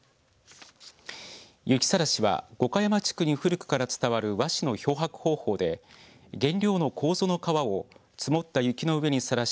雪さらしは五箇山地区に古くから伝わる和紙の漂白方法で原料のこうぞの皮を積もった雪の上にさらし